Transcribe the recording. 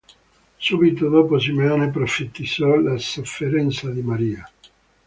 Subito dopo Simeone profetizzò la sofferenza di Maria.